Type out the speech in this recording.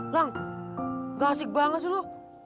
lang gak asik banget sih lu